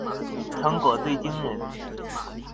成果最惊人